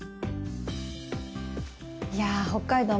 いや、北海道